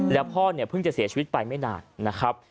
แล้วพ่อเนี่ยเพิ่งจะเสียชีวิตไปไม่นานนะครับ